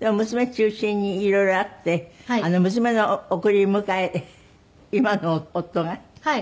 娘中心に色々あって娘の送り迎え今の夫がやってくれて？